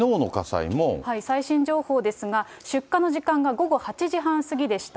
最新情報ですが、出火の時間が午後８時半過ぎでした。